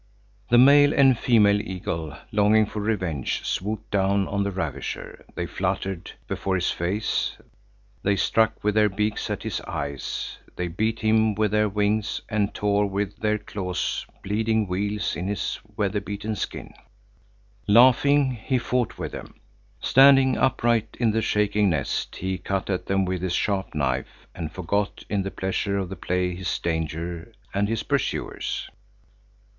The male and female eagle, longing for revenge, swooped down on the ravisher. They fluttered before his face, they struck with their beaks at his eyes, they beat him with their wings and tore with their claws bleeding weals in his weather beaten skin. Laughing, he fought with them. Standing upright in the shaking nest, he cut at them with his sharp knife and forgot in the pleasure of the play his danger and his pursuers.